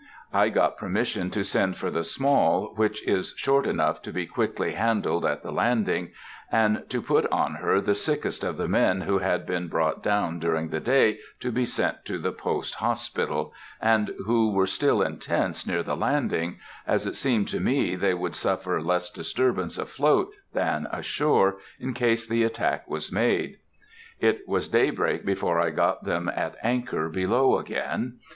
I got permission to send for the Small, which is short enough to be quickly handled at the landing, and to put on her the sickest of the men who had been brought down during the day to be sent to the post hospital, and who were still in tents near the landing, as it seemed to me they would suffer less disturbance afloat than ashore in case the attack was made. It was daybreak before I got them at anchor below again.